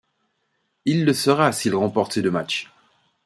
Il le sera s'il remporte ses deux matchs.